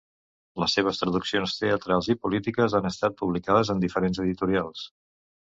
Les seves traduccions teatrals i poètiques han estat publicades en diferents editorials.